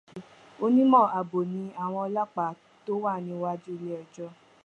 Onímọ̀ ààbò ni àwọn ọ́lọ́pàá tó wà níwájú ilé ẹjọ́